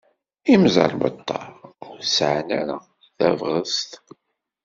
Imẓerbeḍḍa ur sɛin ara tabɣest.